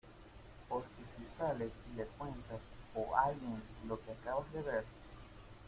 porque si sales y le cuentas o alguien lo que acabas de ver...